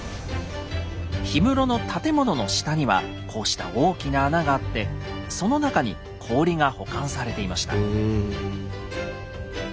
氷室の建物の下にはこうした大きな穴があってその中に氷が保管されていました。